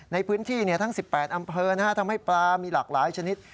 ในพื้นที่ทั้ง๑๘อำเภอทำให้ปลามีหลากหลายชนิด